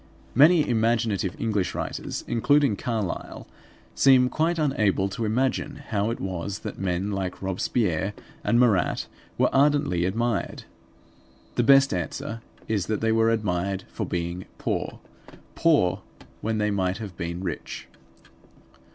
Many imaginative English writers, including Carlyle, seem quite unable to imagine how it was that men like Robespierre and Marat were ardently admired. The best answer is that they were admired for being poor poor when they might have been rich.